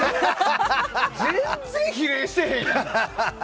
全然比例してへんやん！